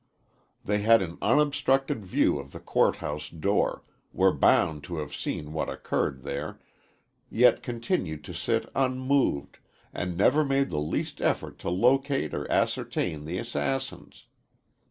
They had an unobstructed view of the court house door, were bound to have seen what occurred there, yet continued to sit unmoved, and never made the least effort to locate or ascertain the assassins.